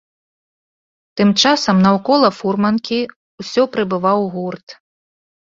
Тым часам наўкола фурманкі ўсё прыбываў гурт.